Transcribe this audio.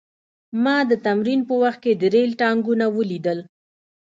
ما د تمرین په وخت کې د ریل ټانکونه ولیدل